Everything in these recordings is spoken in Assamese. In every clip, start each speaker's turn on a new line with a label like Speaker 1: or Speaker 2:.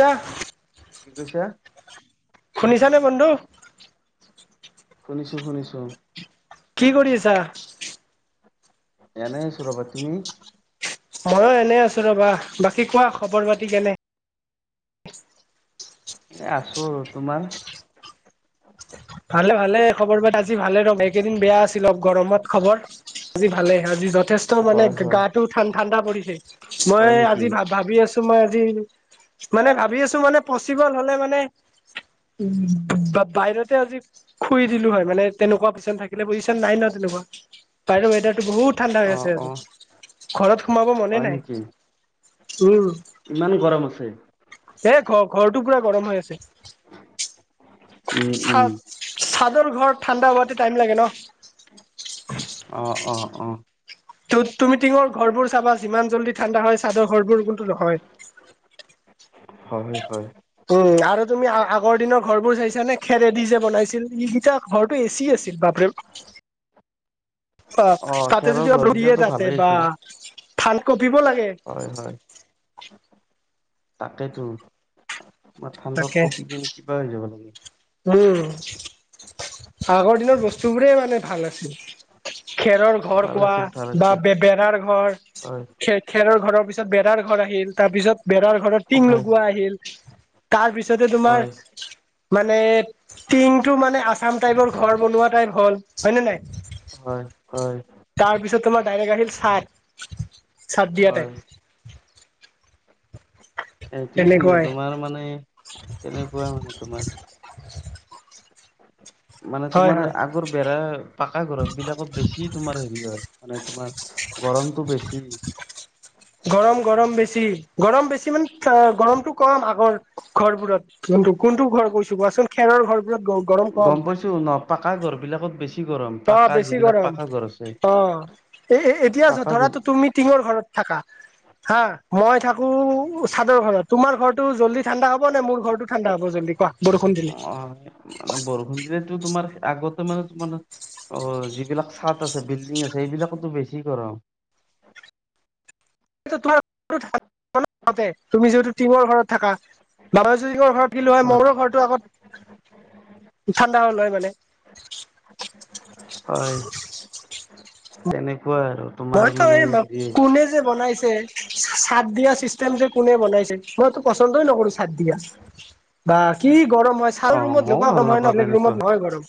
Speaker 1: যাহ
Speaker 2: কি কৈছা?
Speaker 1: শুনিছানে বন্ধু?
Speaker 2: শুনিছোঁ-শুনিছোঁ।
Speaker 1: কি কৰি আছা?
Speaker 2: এনে আছো ৰ'বা তুমি?
Speaker 1: ময়ো এনে আছো ৰবা বাকী কোৱা খবৰ পাতি কেনে?
Speaker 2: এ আছোঁ আৰু তোমাৰ?
Speaker 1: ভালে- ভালে খবৰ বাত আজি ভালে ৰ' এইকেইদিন বেয়া আছিল অ, গৰমত খবৰ। আজি ভালে আজি য'ত যথেষ্ট মানে
Speaker 2: হয় হয়
Speaker 1: গাটো ঠান ঠাণ্ডা পৰিছে
Speaker 2: হয়
Speaker 1: মই
Speaker 2: নেকি?
Speaker 1: আজি ভা- ভাবি আছো মই আজি মানে ভাবি আছো মানে পচিবল হলে মানে উম, [unintelligible] বাহিৰতে আজি খুই দিলো হয় মানে তেনেকুৱা পেচেন থাকিলে বুইছা নাই ন' তেনেকুৱা। বাহিৰৰ ৱেডাৰটো বহুত ঠাণ্ডা হৈ
Speaker 2: অ'
Speaker 1: আছে আজি।
Speaker 2: অ'
Speaker 1: ঘৰত সোমাব মনে
Speaker 2: হয় নেকি?
Speaker 1: নাই উম।
Speaker 2: ইমান গৰম আছে।
Speaker 1: এ ঘৰ- ঘৰটো পুৰা গৰম হৈ আছে।
Speaker 2: উম উম
Speaker 1: চাদ- চাদৰ ঘৰত ঠাণ্ডা হোৱাতে টাইম লাগে ন'।
Speaker 2: অ', অ', অ',
Speaker 1: ত' তুমি টিঙৰ ঘৰবোৰ চাবা যিমান জল্দি ঠাণ্ডা হয় চাদৰ ঘৰবোৰ কিন্তু নহয়।
Speaker 2: [inaudible] হয়-হয়।
Speaker 1: উম আৰু তুমি আগৰ দিনৰ ঘৰবোৰ চাইছা নে খেৰেদি যে বনাইছিল ইগিতা ঘৰটো এচি আছিল বাপৰে [unintelligible] অ, তাতে
Speaker 2: খেৰৰ
Speaker 1: যদি অলপ দি দিয়ে
Speaker 2: ঘৰকেইটাতো
Speaker 1: তাতে
Speaker 2: ভালেই
Speaker 1: বা থান কঁপিব লাগে।
Speaker 2: হয়-হয় তাকেতো মই ঠাণ্ডাত
Speaker 1: তাকে
Speaker 2: কপি কিনে কিবা হৈ যাব লাগে।
Speaker 1: উম, আগৰ দিনৰ বস্তু বোৰে মানে ভাল আছিল খেৰৰ ঘৰ
Speaker 2: ভাল
Speaker 1: কোৱা
Speaker 2: আছিল ভাল
Speaker 1: বা
Speaker 2: আছিল
Speaker 1: বে -বেৰাৰ ঘৰ
Speaker 2: হয়।
Speaker 1: খে খেৰৰ ঘৰৰ পিছত বেৰাৰ ঘৰ আহিল তাৰ পিছত বেৰৰ ঘৰত টিং
Speaker 2: হয় হয়
Speaker 1: লগোৱা আহিল তাৰ পিছতে তোমাৰ
Speaker 2: হয়
Speaker 1: মানে টিং টো মানে আছাম টাইপৰ ঘৰ বনোৱা টাইপ হ'ল হয় নে নাই?
Speaker 2: হয় হয়
Speaker 1: তাৰপিছত তোমাৰ ডাইৰেক্ট আহিল চাত-চাদ দিয়া
Speaker 2: হয়
Speaker 1: টাইপ
Speaker 2: এ তুইতো
Speaker 1: তেনেকুৱাই
Speaker 2: তোমাৰ মানে তেনেকুৱা মানে তোমাৰ। মানে
Speaker 1: হয়
Speaker 2: তোমাৰ
Speaker 1: হয়
Speaker 2: আগৰ বেৰা পাকা ঘৰসবিলাকত বেছি তোমাৰ হেৰি হয় মানে তোমাৰ গৰমটো বেছি।
Speaker 1: গৰম- গৰম বেছি গৰম বেছি মানে গৰমটো চ কম আগৰ ঘৰবোৰত কোনটো -কোনটো ঘৰ কৈছো কোৱাচোন খেৰৰ ঘৰবোৰত গওঁ
Speaker 2: গম পাইছো ন' পাকা ঘৰ বিলাকত বেছি গৰম
Speaker 1: অ',
Speaker 2: পাকা
Speaker 1: বেছি
Speaker 2: যিবিলাক
Speaker 1: গৰম,
Speaker 2: পাকা ঘৰ আছে
Speaker 1: অ', এ', -এ', - এতিয়া
Speaker 2: পাকা
Speaker 1: ধৰাটো
Speaker 2: বিল
Speaker 1: তু', -তু', -তুমি টিঙৰ ঘৰত ', থাকা', হা', মই থাকোঁ, ছাদৰ ঘৰত তোমাৰ ঘৰটো জলদি ঠাণ্ডা হব নে মোৰ ঘৰটো ঠাণ্ডা হ'ব জলদি কোৱা? বৰষুণ দিলি',
Speaker 2: অ', মানে বৰষুণ দিলেতো তোমাৰ আগতে মানে তোমাৰ', অ', যিবিলাক ছাদ আছে, বিল্ডিং আছে, এইবিলাকোতো বেছি গৰম',
Speaker 1: এইটোতো তোমাৰ সেইটো থাকিব ন তাৰ বাবে তুমি যিহেতু টিঙৰ ঘৰত থাকা, ভাবা যদি টিঙৰ ঘৰত', আহি লয়
Speaker 2: হয়
Speaker 1: মোৰো ঘৰটো আগত, ঠাণ্ডা হ'ল হয় মানে',
Speaker 2: হয়', তেনেকুৱা আৰু', তোমাৰ
Speaker 1: মইতো
Speaker 2: মানে
Speaker 1: এই মাত,
Speaker 2: হেৰি
Speaker 1: কোনে যে', কোনে যে বনাইছে ছা', -ছা', - ছাদ দিয়া চিষ্টেমটো যে কোনে বনাইছে, মইতো পচন্দই নকৰোঁ ছাদ দিয়া', বা কি গৰম হয় চাৰি
Speaker 2: অ
Speaker 1: ৰুমতা
Speaker 2: মইও
Speaker 1: বেগুৱা
Speaker 2: ভাল
Speaker 1: গৰম হয় ন
Speaker 2: নাপাওঁ
Speaker 1: বেলেগ ৰুমত
Speaker 2: তেনেকুৱা
Speaker 1: নহয় গৰম',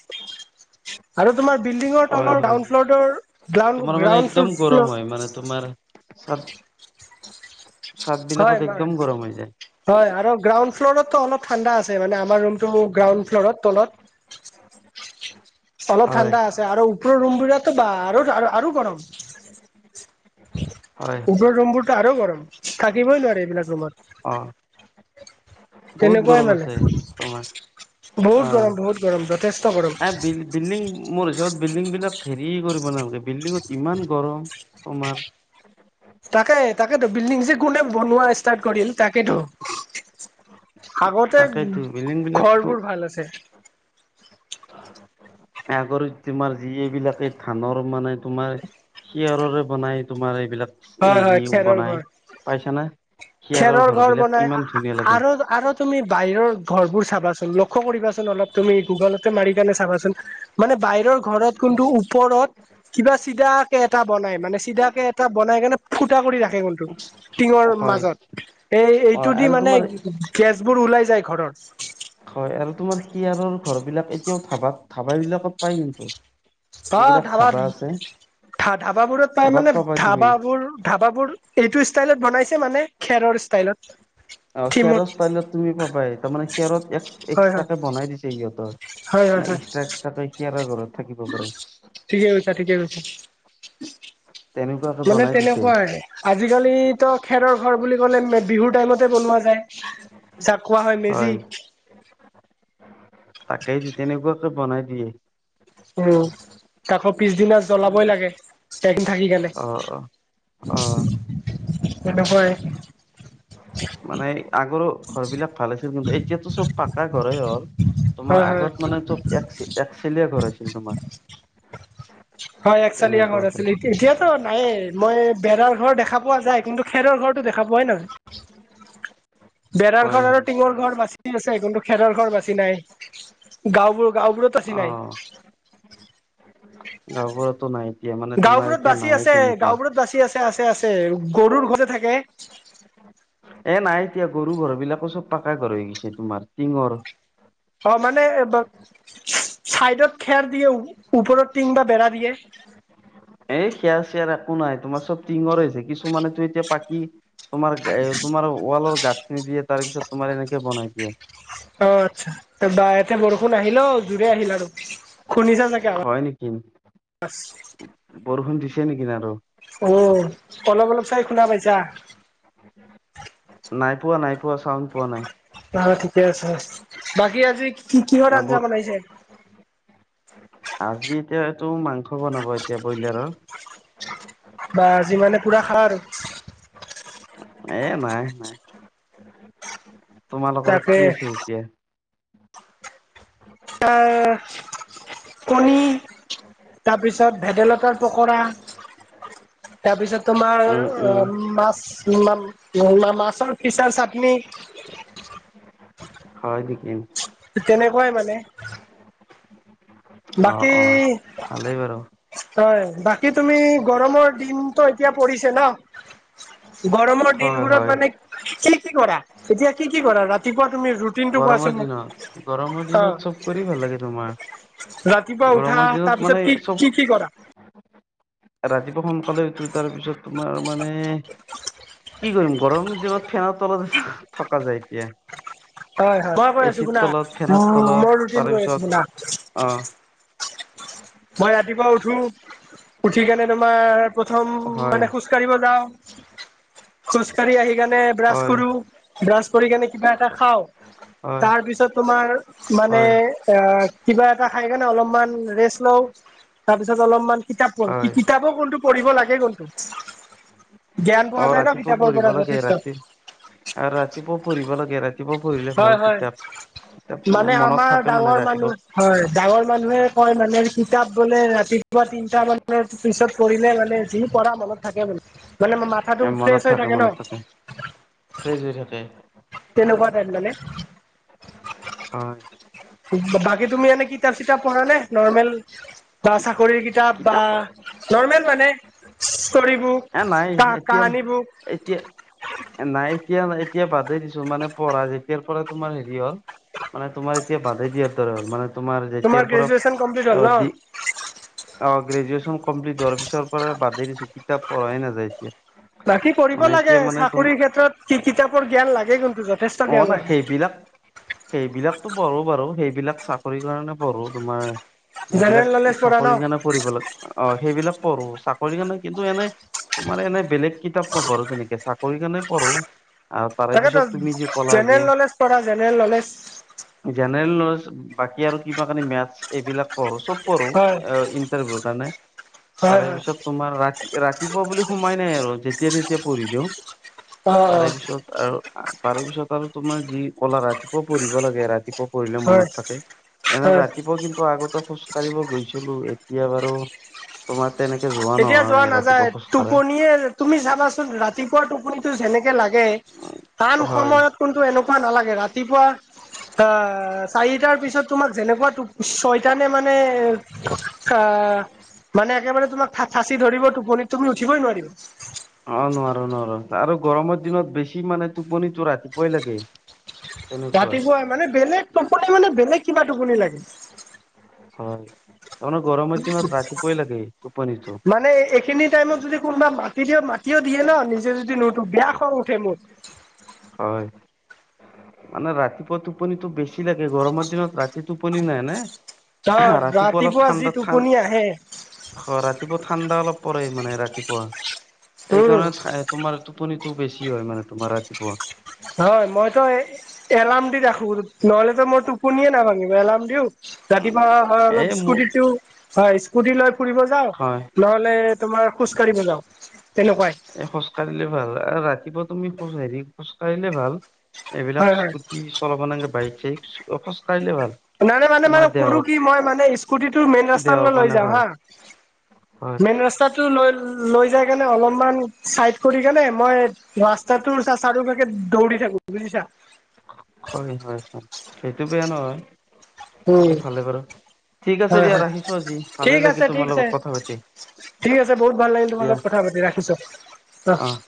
Speaker 1: আৰু তোমাৰ বিল্ডিঙৰ
Speaker 2: হয়
Speaker 1: তলৰ
Speaker 2: হয়
Speaker 1: গ্ৰাউণ্ড
Speaker 2: হয়
Speaker 1: ফ্লৰটোৰ, গ্লউণ্ড
Speaker 2: তোমাৰ
Speaker 1: -
Speaker 2: মানে
Speaker 1: গ্ৰাউণ্ড
Speaker 2: একদম
Speaker 1: ফ্লু',
Speaker 2: গৰম হয় মানে তোমাৰ ছাদ',
Speaker 1: হয় বাৰু', হয় আৰু গ্ৰাউণ্ড ফ্লু'ৰত অলপ ঠাণ্ডা আছে মানে আমাৰ ৰুমটো গ্ৰাউণ্ড ফ্লু'ৰত তলত', অলপ
Speaker 2: হয়,
Speaker 1: ঠাণ্ডা আছে আৰু ওপৰৰ ৰুম বোৰটো বা আৰু', -আৰু', - আৰু গৰম',
Speaker 2: হয়, হয়।
Speaker 1: উপৰৰ ৰুমবোৰটো আৰু গৰম', থাকিবই নোৱাৰে এইবিলাক ৰুমত',
Speaker 2: অ', বহুত
Speaker 1: তেনেকুৱাই
Speaker 2: গৰম
Speaker 1: মানে
Speaker 2: আছে তোমাৰ',
Speaker 1: বহুত গৰম বহুত গৰম যথেষ্ট', গৰম
Speaker 2: আহ বি', বিল্ডিং মোৰ হিচাপত বিল্ডিংবিলাক হেৰি কৰিব নালাগে বিল্ডিঙত ইমান গৰম তোমাৰ',
Speaker 1: তাকে - তাকেতো বিল্ডিং যে কোনে বনোৱা ষ্টাৰ্ট কৰিল তাকেতো', আগতে,
Speaker 2: তাকেইতো
Speaker 1: ঘ',
Speaker 2: বিল্ডিং
Speaker 1: -
Speaker 2: বিলাকতো
Speaker 1: ঘৰবোৰ ভাল আছে',
Speaker 2: এই আগৰো তোমাৰ যি এইবিলাকে ধানৰ মানে তোমাৰ', খেয়াৰৰে বনাই তোমাৰ এইবিলাক
Speaker 1: হয়
Speaker 2: এই
Speaker 1: হয়
Speaker 2: যি
Speaker 1: খেৰৰ
Speaker 2: বনাই
Speaker 1: ঘৰ
Speaker 2: পাইছানে? খেয়াৰৰ
Speaker 1: খেৰৰ
Speaker 2: ঘৰ বিলাক
Speaker 1: বনাই
Speaker 2: কিমান ধুনীয়া লাগে',
Speaker 1: আৰু আৰু তুমি বাহিৰৰ ঘৰবোৰ চাবাচোন লক্ষ্য কৰিবাচোন অলপ তুমি গুগলতে মাৰি কিনে চাবাচোন', মানে বাহিৰৰ ঘৰত কোনটো ওপৰত', কিবা চিধাকে এটা বনাই মানে চিধাকে এটা বনাই কেনে ফুটা কৰি ৰাখে ৰুমটো', টিঙৰ
Speaker 2: হয়,
Speaker 1: মাজত, এই
Speaker 2: অ',
Speaker 1: এইটো দি
Speaker 2: আৰু
Speaker 1: মানে
Speaker 2: তোমাৰ
Speaker 1: গে', -গে', -গেছবোৰ ওলাই যায় ঘৰৰ',
Speaker 2: হয়, আৰু তোমাৰ খেয়াৰৰ ঘৰ বিলাক এতিয়াও ধাবাত, ধাবাবিলাকত পায় কিন্তু',
Speaker 1: অ',
Speaker 2: যিবিলাক
Speaker 1: ধাবাত,
Speaker 2: ধাবা আছে,
Speaker 1: ধা', -ধা', - ধাবাাবোৰত পাই
Speaker 2: ধাবাত
Speaker 1: মানে ধা',
Speaker 2: পাবা তুমি।
Speaker 1: -ধাবাবোৰ - ধাবাাবোৰ', এইটো ষ্টাইলত বনাইছে মানে খেৰৰ ষ্টাইলত',
Speaker 2: অ',
Speaker 1: থিমত
Speaker 2: খেয়াৰৰ ষ্টাইলত তুমি পাবাই তাৰমানে খেয়াৰত এক্স',
Speaker 1: হয় হয়
Speaker 2: -এক্সট্ৰাকে বনাই দিছে সিহঁতৰ',
Speaker 1: হয়', - হয়', - হয়',
Speaker 2: তাকৈ খেয়াৰৰ ঘৰত থাকিব পাৰিম',
Speaker 1: ঠিকে কৈছা - ঠিকে কৈছা,
Speaker 2: তেনেকুৱাকে
Speaker 1: মানে
Speaker 2: বনাই দিছে
Speaker 1: তেনেকুৱা আৰু', আজিকালিতো খেৰৰ ঘৰ বুলি ক'লে মে', বিহুৰ টাইমতে বনোৱা যায়', যাক কোৱা হয় মেজি।
Speaker 2: তাকেতো তেনেকুৱাতে বনাই দিয়ে',
Speaker 1: উম', তাকো পিছদিনা জ্বলাবই লাগে', এদিন থাকি কিনে,
Speaker 2: অ অ অ
Speaker 1: সেনেকুৱাই',
Speaker 2: মানে আগৰো, ঘৰ বিলাক ভাল আছিল কিন্তু এতিয়াতো চব পাকা ঘৰে হ'ল', তোমাৰ
Speaker 1: হয় হয়
Speaker 2: আগত মানে চব এক চে', - এক চেলীয়ে ঘৰ আছিল তোমাৰ',
Speaker 1: হয়', এক চালি আগৰ
Speaker 2: তেনেকুৱাকে
Speaker 1: আছিল এতিয়া-এতিয়া', অ', নাই, মই বেৰাৰ ঘৰ দেখা পোৱা যায় কিন্তু খেৰৰ ঘৰটো দেখা পোৱাই নাযায়', [unintelligible] বেৰাৰ
Speaker 2: হয়
Speaker 1: ঘৰ আৰু
Speaker 2: হয়
Speaker 1: টিঙৰ ঘৰ বাচি আছে কিন্তু খেৰৰ ঘৰ বাচি নাই', গাঁওবোৰ গাঁওবোৰত বাছি
Speaker 2: অ
Speaker 1: নাই।
Speaker 2: গাঁও ঘৰটো নাই। এতিয়া মানে তোমাৰ
Speaker 1: গাঁওবোৰত
Speaker 2: এতিয়া
Speaker 1: বাচি
Speaker 2: নাই
Speaker 1: আছে,
Speaker 2: তেনেকুৱা
Speaker 1: গাঁওবোৰত বাচি আছে আছে আছে গৰুৰ ঘৰতে থাকে
Speaker 2: এ নাই এতিয়া গৰু ঘৰ বিলাকো চব পাকা ঘৰ হৈ গৈছে তোমাৰ টিঙৰ
Speaker 1: অ মানে ধ চাইডত খেৰ দিয়ে ওপৰত টিং বা বেৰা দিয়ে।
Speaker 2: এই খেয়া চেৰ একো নাই তোমাৰ চব টিঙৰ হৈছে কিছুমানেতো এতিয়া পাকি তোমাৰ এ তোমাৰ ৱালৰ গাঁঠি দিয়ে তাৰ পিছত তোমাৰ এনেকে বনাই দিয়ে।
Speaker 1: অ আচ্ছা বা এতিয়া বৰষুণ আহিলেও জোৰে আহিল আৰু। শুনিছা চাগে আৱা
Speaker 2: হয় নেকি বৰষুণ দিছে নেকি নে আৰ
Speaker 1: অ অলপ অলপ চাই শুনা পাইছা।
Speaker 2: নাই পোৱা নাই পোৱা চাউণ্ড পোৱা নাই।
Speaker 1: অ ঠিকে আছে বাকী আজি কি কিহৰ আঞ্জা
Speaker 2: নাবোৰ
Speaker 1: বনাইছে।
Speaker 2: আজি এতিয়া এইটো মাংস বনাব এতিয়া ব্ৰইলাৰৰ
Speaker 1: বা আজিমানে পুৰা খা আৰু
Speaker 2: এ নাই নাই, তোমালোকৰ
Speaker 1: তাকে
Speaker 2: কি আছে এতিয়া?
Speaker 1: আহ কণী তাৰপিছত ভেদেলতাৰ পকৰা। তাৰ পিছত তোমাৰ
Speaker 2: উম উম
Speaker 1: অ মাছ মাম মা মাছৰ ফিচাৰ চাটনি
Speaker 2: হয় নিকি।
Speaker 1: তেনেকুৱাই মানে।
Speaker 2: অ
Speaker 1: বাকী
Speaker 2: অ। ভালেই বাৰু।
Speaker 1: হয় বাকী তুমি গৰমৰ দিন ত এতিয়া পৰিছে ন। গৰমৰ
Speaker 2: হয়
Speaker 1: দিনবোৰত
Speaker 2: হয়
Speaker 1: মানে কি কি কৰা এতিয়া কি কি কৰা ৰাতিপুৱা তুমি ৰুট-
Speaker 2: গৰমৰ দিনত গৰমৰ দিনত চব কৰি ভাল লাগে তোমাৰ।
Speaker 1: ৰাতিপুৱা উঠা
Speaker 2: গৰমৰ দিনত
Speaker 1: তাৰপিছত
Speaker 2: মানে
Speaker 1: কি
Speaker 2: চব।
Speaker 1: কি কি কৰা?
Speaker 2: ৰাতিপুৱা সোনকালে উঠো তাৰপিছত তোমাৰ মানে কি কৰিম গৰমৰ দিনত ফেনৰ তলত থকা যায় এতিয়া।
Speaker 1: হয় হয় মই কৈ আছো
Speaker 2: এচি
Speaker 1: শুনা
Speaker 2: তলত, ফেনত তলত,
Speaker 1: মোৰ ৰুটিন কৈ আছো শুনা
Speaker 2: তাৰেপিছত অ।
Speaker 1: মই ৰাতিপুৱা উঠো উঠি কেনে তোমাৰ প্ৰথম
Speaker 2: হয়
Speaker 1: মানে খোজ কাঢ়িব যাওঁ। খোজ কাঢ়ি আহি কেনে ব্ৰাছ
Speaker 2: হয়
Speaker 1: কৰো ব্ৰাছ কৰি কেনে কিবা এটা খাওঁ।
Speaker 2: হয়
Speaker 1: তাৰ পিছত তোমাৰ মানে
Speaker 2: হয়
Speaker 1: এ কিবা এটা খাই কেনে অলপমান ৰেষ্ট। লও তাৰ পিছত অলপমান কিতাপ পঢ়ো কি
Speaker 2: হয়
Speaker 1: কিতাপো কোনটো পঢ়িব লাগে কোনটো। জ্ঞান
Speaker 2: অ
Speaker 1: পোৱা যায় ন কিতাপৰ পৰা যথেষ্ট।
Speaker 2: আৰ ৰাতিপুৱা পৰিব লাগে ৰাত ৰাতিপা পঢ়িলে
Speaker 1: হয়
Speaker 2: ভাল
Speaker 1: হয়
Speaker 2: কিতাপ কিতাপ মানে মনত
Speaker 1: আমাৰ
Speaker 2: থাকে মানে
Speaker 1: ডাঙৰ মানুহ
Speaker 2: ৰাতিপা
Speaker 1: হয় ডাঙৰ মানুহে কয় মানে কিতাপ বোলে ৰাতিপুৱা তিনটা মানৰ পিছত পৰিলে মানে যি পৰা মনত থাকে বুলে মানে মা মাথাটো ফ্ৰেছ হৈ থাকে ন।
Speaker 2: ফ্ৰেছ হৈ থাকে।
Speaker 1: তেনেকোৱা টাইপ মানে।
Speaker 2: হয়।
Speaker 1: বা বাকী তুমি এনে কিতাপ চিতাপ পঢ়া নে নৰ্মেল বা চাকৰিৰ কিতাপ বা নৰ্মেল মানে ষ্টৰি
Speaker 2: এ
Speaker 1: বুক।
Speaker 2: নাই
Speaker 1: কা
Speaker 2: এতিয়া
Speaker 1: কাহানী বুক।
Speaker 2: এতিয়া। নাই এতিয়া এতিয়া বাদেই দিছো মানে পঢ়া যেতিয়াৰ পৰাই তোমাৰ হেৰি হ'ল। মানে তোমাৰ এতিয়া বাধাই দিয় তৰ মানে তোমাৰ যেতিয়াৰ পৰা
Speaker 1: গ্ৰেজুৱেচন কমপ্লিট হ'ল ন
Speaker 2: দি- অ গ্ৰেজুৱেচন কমপ্লিট হোৱাৰ পিছৰ পৰা বাদেই দিছো কিতাপ পঢ়াই নাযায় এতিয়া।
Speaker 1: বাকী পঢ়িব
Speaker 2: মানে
Speaker 1: লাগে
Speaker 2: এতিয়া মানে
Speaker 1: চাকৰিৰ
Speaker 2: তোমাৰ
Speaker 1: ক্ষেত্ৰত কি কিতাপৰ জ্ঞান লাগে কোনজন।
Speaker 2: অ ন সেইবিলাক- সেইবিলাকতো পঢ়ো বাৰু সেইবিলাক চাকৰি কাৰণে পঢ়ো তোমাৰ। সেইবিলাক
Speaker 1: জেনেৰেল নলেজ পঢ়া ন
Speaker 2: চাকৰিৰ কাৰণে পঢ়িব লাগ অ সেইবিলাক পঢ়ো চাকৰিৰ কাৰণে কিন্তু এনেই - তোমাৰ এনেই বেলেগ কিতাপ নাপঢ়ো তেনেকে চাকৰি কাৰণে পঢ়ো, আৰু তাৰে
Speaker 1: তাকেতো
Speaker 2: পিছত তুমি যি- ক'লা যে
Speaker 1: জেনেৰেল নলেজ পঢ়া জেনেৰেল নলেজ।
Speaker 2: জেনেৰেল নলেজ বাকী আৰু কিবা কি মেথছ এইবিলাক পঢ়ো চব। পঢ়ো
Speaker 1: হয়
Speaker 2: অ ইন্টাৰভিউ কাৰণে
Speaker 1: হয়
Speaker 2: তাৰে
Speaker 1: হয়
Speaker 2: পিছত- তোমাৰ ৰাতি ৰাতিপুৱা বুলি সোমাই নাই আৰু যেতিয়া তেতিয়া পঢ়ি দিওঁ।
Speaker 1: অ অ
Speaker 2: তাৰে পিছত আৰু তাৰে পিছত আৰু তোমাৰ যি কলা ৰাতিপুৱা পঢ়িব লাগে ৰাতি। কৰিলে
Speaker 1: হয়
Speaker 2: মনত থাকে এনে
Speaker 1: হয়
Speaker 2: ৰাতিপুৱা কিন্তু আগতে খুস্থ। কাঢ়িব গৈছিলোঁ এতিয়া বাৰু- তোমাৰ তেনেকে যোৱা।
Speaker 1: এতিয়া যোৱা
Speaker 2: নহয় ৰাতিপুৱা
Speaker 1: নাযায়
Speaker 2: খোজ কাঢ়া।
Speaker 1: টোপনিয়ে তুমি যাবাচোন ৰাতিপুৱা টোপনিটো যেনেকে লাগে। তান
Speaker 2: হয়
Speaker 1: সময়ত। এনেকুৱা নালাগে ৰাতিপুৱা আঁ চাৰিটাৰ পিছত তোমাক যেনে- চৈতানে মানে আ মানে একেবাৰে তোমাক- ফাচি ধৰিব টোপনিটো তুমি উঠিবই নোৱাৰিবা।
Speaker 2: অঁ নোৱাৰো নোৱাৰো আৰু গৰমৰ দিনত বেছি মানে টোপনিটো ৰাতিপুৱাই লাগে। তেনেকুৱা
Speaker 1: ৰাতিপুৱা মানে বেলেগ টোপনি মানে বেলেগ কিবা টোপনি লাগে।
Speaker 2: হয় তাৰমানে গৰমত দিনত ৰাতিপোৱাই লাগে টোপানীটো।
Speaker 1: মানে এইখিনি টাইমত যদি- কোনোবা মাতি দিয়ে মাতিও দিয়ে ন নিজে যদি নোঠো বেয়া খং উঠে মোৰ।
Speaker 2: হয় মানে ৰাতিপুৱা টোপনিটো বেছি লাগে, গৰমৰ দিনত ৰাতি টোপনি নাই ন।
Speaker 1: অ
Speaker 2: ৰাতিপুৱা অলপ
Speaker 1: যি
Speaker 2: ঠাণ্ডাত ঠান-
Speaker 1: টোপনি আহে
Speaker 2: অ ৰাতিপুৱা ঠাণ্ডা অলপ পৰে মানে ৰাতিপুৱা
Speaker 1: উম
Speaker 2: সেইকাৰণে- তোমাৰ টোপনিতটো বেছি হয় মানে তোমাৰ ৰাতিপুৱা।
Speaker 1: হয় মইতো। এলাৰ্ম দি ৰাখো নহলেতো মই টোপনিয়ে নাভাঙিব এলাৰ্ম দিও ৰাতিপুৱা। হয়
Speaker 2: এই
Speaker 1: অলপ
Speaker 2: মোৰ
Speaker 1: স্কুটিটো হয় স্কুটি লৈ ফুৰিব যাও।
Speaker 2: হয়
Speaker 1: নহলে তোমাৰ খোজকাঢ়িব যাও তেনেকুৱাই-
Speaker 2: এ খোজকাঢ়িলে ভাল আৰু ৰাতিপুৱা তুমি হেৰি খোজ কাঢ়িলে ভাল
Speaker 1: হয়
Speaker 2: এইবিলাক-
Speaker 1: হয়
Speaker 2: কি চলাব নে বাইক চাইক অলপ খোঁজ কাঢ়িলে ভাল।
Speaker 1: নাই মানে
Speaker 2: তোমাৰ
Speaker 1: মানে
Speaker 2: দেহৰ
Speaker 1: কৰো কি মই মানে স্কুটিটো মেইন
Speaker 2: দেহৰ
Speaker 1: ৰাস্তালৈ লৈ
Speaker 2: কাৰণে
Speaker 1: যাম
Speaker 2: ভাল
Speaker 1: হা।
Speaker 2: হয়
Speaker 1: মেইন ৰাস্তাটো লৈ যায় কেনে অলপমান ছাইড কৰি কেনে মই- ৰাস্তাত তোৰ চা চাৰি পাকে দৌৰি থাক বুজিছা।
Speaker 2: হয় হয় হয় সেইটো বেয়া নহয়
Speaker 1: উম
Speaker 2: সেইটো ভালে বাৰু। ঠিক আছে
Speaker 1: হয়
Speaker 2: দিয়া
Speaker 1: হয়
Speaker 2: ৰাখিছো আজি ভালে
Speaker 1: ঠিক আছে
Speaker 2: লাগে
Speaker 1: ঠিক
Speaker 2: তোমাৰ
Speaker 1: আছে
Speaker 2: লগত কথা পাতি।
Speaker 1: ঠিক আছে বহুত ভাল লাগিল তোমাৰ
Speaker 2: দিয়া
Speaker 1: অলপ কথা পাতি ৰাখিচো
Speaker 2: অ
Speaker 1: অঁ।